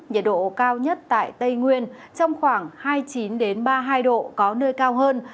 nhiệt độ cao nhất tại tây nguyên trong khoảng hai mươi chín ba mươi hai độ có nơi cao hơn